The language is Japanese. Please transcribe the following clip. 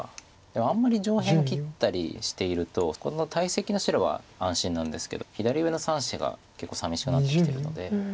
でもあんまり上辺切ったりしているとこの大石の白は安心なんですけど左上の３子が結構さみしくなってきてるので。